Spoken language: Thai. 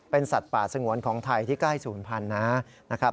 เป็นสัตว์ป่าสงวนของไทยที่ใกล้๐๐๐๐นะครับ